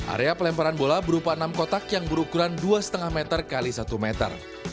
area pelemparan bola berupa enam kotak yang berukuran dua lima meter x satu meter